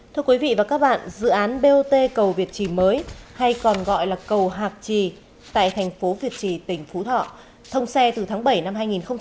thưa quý vị và các bạn dự án bot cầu việt trì mới hay còn gọi là cầu hạc trì tại thành phố việt trì tỉnh phú thọ thông xe từ tháng bảy năm hai nghìn một mươi chín